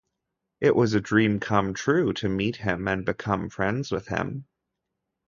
It was a dream come true to meet him and become friends with him.